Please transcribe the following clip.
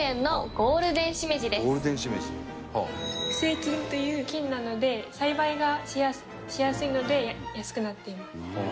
ゴールデンしめじ？腐生菌という菌なので栽培がしやすいので安くなっています。